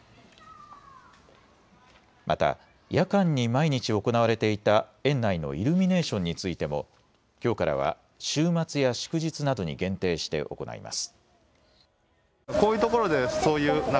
また夜間に毎日行われていた園内のイルミネーションについてもきょうからは週末や祝日などに限定して行います。